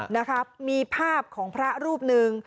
นะครับมีภาพผ่านพระรูปนึง